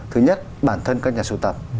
thứ nhất bản thân các nhà sưu tập